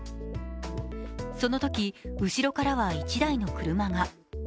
そのとき、後ろからは１台の車が。